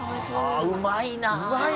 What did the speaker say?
うまいなあ！